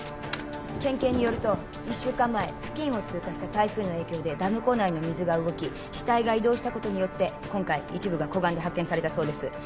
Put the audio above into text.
県警によると１週間前付近を通過した台風の影響でダム湖内の水が動き死体が移動したことによって今回一部が湖岸で発見されたそうです